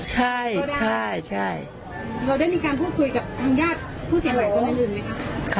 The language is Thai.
ใช่ใช่เราได้มีการพูดคุยกับทางญาติผู้เสียหายคนอื่นไหมคะ